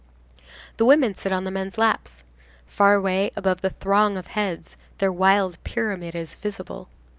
The women sit on the men's laps. Far away, above the throng of heads, their wild pyramid is visible.